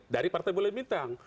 dari partai bulan bintang